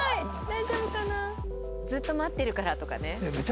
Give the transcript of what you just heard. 「ずっと待ってるから」とかね。